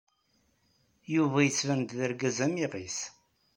Yuba yettban-d d argaz amiɣis.